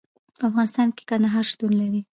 په افغانستان کې کندهار شتون لري.